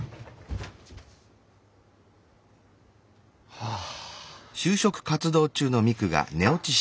はあ。